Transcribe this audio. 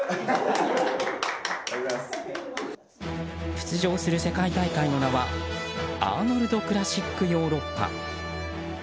出場する世界大会の名はアーノルド・クラシック・ヨーロッパ。